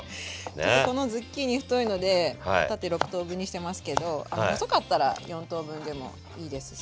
ちょっとこのズッキーニ太いので縦６等分にしてますけど細かったら４等分でもいいですし。